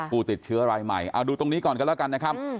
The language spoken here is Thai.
ผู้ติดเชื้อรายใหม่เอาดูตรงนี้ก่อนกันแล้วกันนะครับ